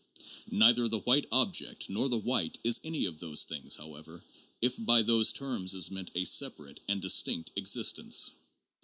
Neither the white object nor the white is any of those things, however, if by those terms is meant a separate and distinct existence.